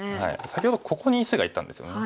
先ほどここに石がいたんですよね。